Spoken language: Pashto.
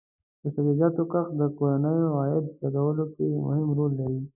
د سبزیجاتو کښت د کورنیو عاید زیاتولو کې مهم رول لري.